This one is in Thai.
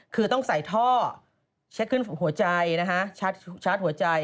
คือต้องใส่ท่อเช็คขึ้นหัวใจนะฮะชาร์จหัวใจ